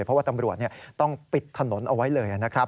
เพราะว่าตำรวจต้องปิดถนนเอาไว้เลยนะครับ